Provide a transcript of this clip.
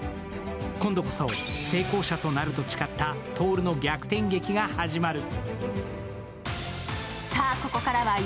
今度こそ成功者となると誓った徹の逆転劇が始まる。